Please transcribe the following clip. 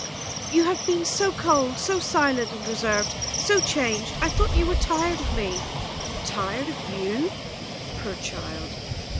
"You have been so cold, so silent and reserved, so changed. I thought you were tired of me." "Tired of you? Poor child!